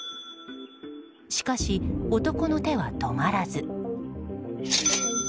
しかし、男の手は止まらず。